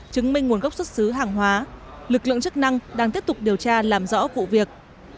chứng minh nguồn gốc xuất xứ hàng hóa lực lượng chức năng đang tiếp tục điều tra làm rõ vụ việc